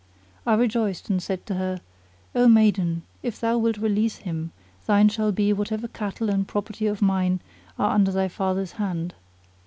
I rejoiced and said to her, "O maiden, if thou wilt release him thine shall be whatever cattle and property of mine are under thy father's hand."